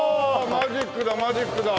マジックだマジックだ！